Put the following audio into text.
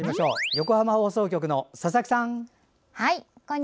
横浜放送局の佐々木さん。